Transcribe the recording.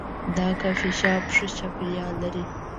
دا کافي شاپ ښه چاپیریال لري.